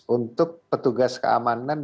untuk petugas keamanan